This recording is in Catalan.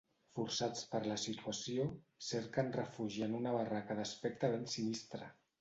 Forçats per la situació cerquen refugi en una barraca d’aspecte ben sinistre.